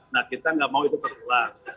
nah kita nggak mau itu terulang